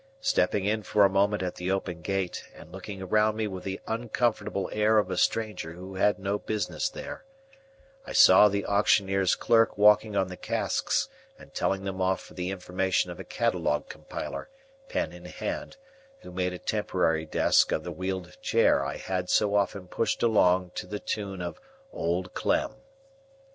Stepping in for a moment at the open gate, and looking around me with the uncomfortable air of a stranger who had no business there, I saw the auctioneer's clerk walking on the casks and telling them off for the information of a catalogue compiler, pen in hand, who made a temporary desk of the wheeled chair I had so often pushed along to the tune of Old Clem.